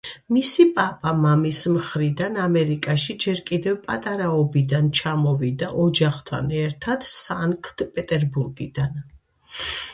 მისი პაპა მამის მხრიდან ამერიკაში ჯერ კიდევ პატარაობიდან ჩამოვიდა ოჯახთან ერთად სანქტ-პეტერბურგიდან.